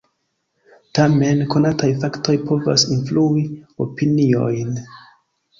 Tamen, konataj faktoj povas influi opiniojn.